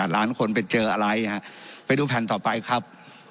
ล้านคนไปเจออะไรฮะไปดูแผ่นต่อไปครับ